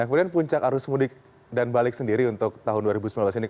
kemudian puncak arus mudik dan balik sendiri untuk tahun dua ribu sembilan belas ini